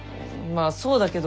まあそうだけど。